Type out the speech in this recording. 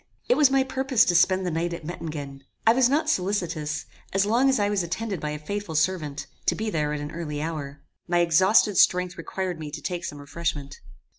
It was my purpose to spend the night at Mettingen. I was not solicitous, as long as I was attended by a faithful servant, to be there at an early hour. My exhausted strength required me to take some refreshment.